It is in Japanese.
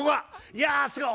いやすごい。